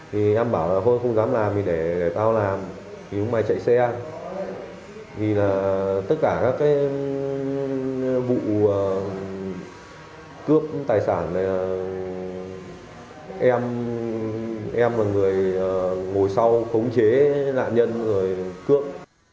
thì em bảo là thôi không dám làm thì để tao làm thì dũng bày chạy xe thì là tất cả các cái vụ cướp tài sản này là em và người ngồi sau khống chế nạn nhân rồi cướp